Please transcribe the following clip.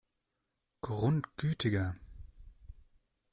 Grundgütiger!